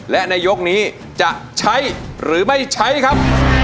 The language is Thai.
และในยกนี้จะใช้หรือไม่ใช้ครับ